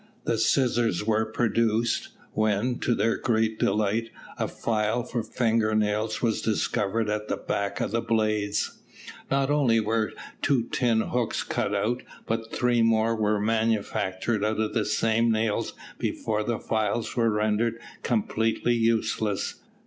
The scissors were produced, when, to their great delight, a file for finger nails was discovered at the back of the blades. Not only were two tin hooks cut out, but three more were manufactured out of some nails before the files were rendered completely useless.